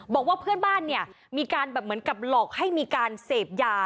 บอกว่าเพื่อนบ้านเนี่ยมีการแบบเหมือนกับหลอกให้มีการเสพยา